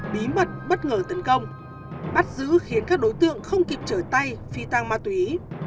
bí mật bất ngờ tấn công bắt giữ khiến các đối tượng không kịp trở tay phi tăng ma túy